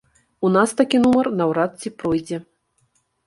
У нас такі нумар наўрад ці пройдзе.